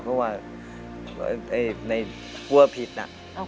เพราะว่าในกลัวผิดน่ะ